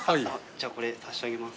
じゃあこれ差し上げます。